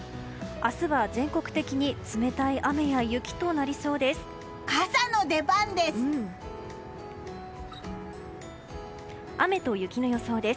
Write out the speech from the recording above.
明日は全国的に冷たい雨や雪となりそうです。